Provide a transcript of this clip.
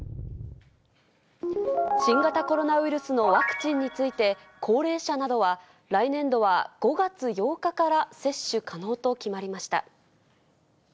新型コロナウイルスのワクチンについて、高齢者などは、来年度は５月８日から接種可能と決まりました。